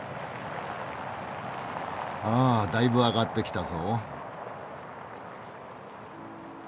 あだいぶ上がってきたぞ。